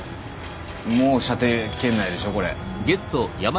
もう射程圏内でしょこれ。